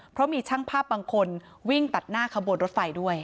เพราะมีช่างภาพบางคนวิ่งตัดหน้าขบวนรถไฟด้วย